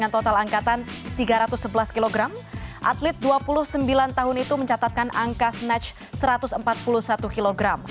dua puluh sembilan tahun itu mencatatkan angka snatch satu ratus empat puluh satu kg